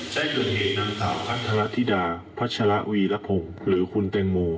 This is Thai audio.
ได้เกิดเหตุนางสาวพัทรธิดาพัชระวีรพงศ์หรือคุณแตงโม